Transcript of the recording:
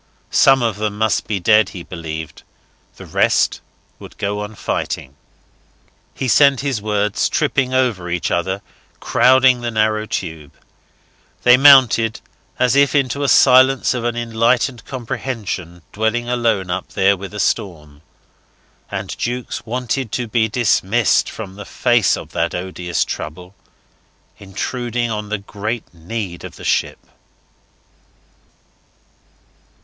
Some of them must be dead, he believed. The rest would go on fighting. ... He sent up his words, tripping over each other, crowding the narrow tube. They mounted as if into a silence of an enlightened comprehension dwelling alone up there with a storm. And Jukes wanted to be dismissed from the face of that odious trouble intruding on the great need of the ship.